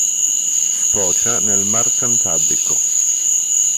Sfocia nel Mar Cantabrico.